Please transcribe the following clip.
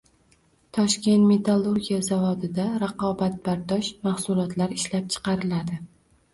Toshkent metallurgiya zavodida raqobatbardosh mahsulotlar ishlab chiqariladi